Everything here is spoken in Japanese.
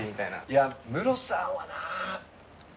いやムロさんはな。